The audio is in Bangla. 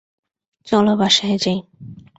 চলো বাসায় যাই।